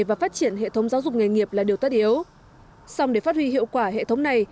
và phát triển hệ thống giáo dục nghề nghiệp là điều tất yếu xong để phát huy hiệu quả hệ thống này